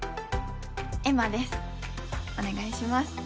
エマですお願いします